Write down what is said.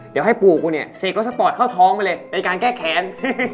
เดี๋ยวให้ปู่กูเนี่ยเสกรถสปอร์ตเข้าท้องไปเลยเป็นการแก้แค้น